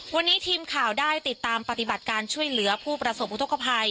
วันนี้ทีมข่าวได้ติดตามปฏิบัติการช่วยเหลือผู้ประสบอุทธกภัย